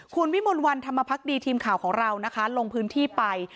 คุณวิมลวันธรรมพักดีทีมข่าวของเรานะคะลงพื้นที่ไป